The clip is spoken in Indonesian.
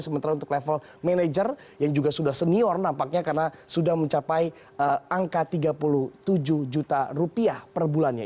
sementara untuk level manager yang juga sudah senior nampaknya karena sudah mencapai angka tiga puluh tujuh juta rupiah per bulannya